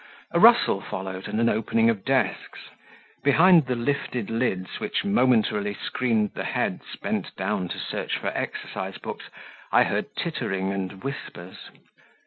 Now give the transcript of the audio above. A rustle followed, and an opening of desks; behind the lifted lids which momentarily screened the heads bent down to search for exercise books, I heard tittering and whispers.